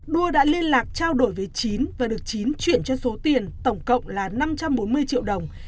đua đã liên lạc trao đổi với chín và được chín chuyển cho số tiền tổng cộng là năm trăm bốn mươi triệu đồng